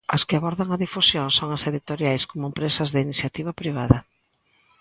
As que abordan a difusión son as editoriais como empresas de iniciativa privada.